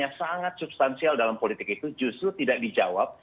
yang sangat substansial dalam politik itu justru tidak dijawab